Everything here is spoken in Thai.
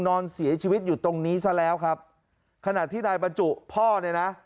นอนเสียชีวิตอยู่ตรงนี้ซะแล้วครับขณะที่นายบรรจุพ่อเนี่ยนะ